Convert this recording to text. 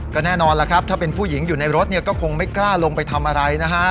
ก็แน่นอนล่ะครับถ้าเป็นผู้หญิงอยู่ในรถเนี่ยก็คงไม่กล้าลงไปทำอะไรนะฮะ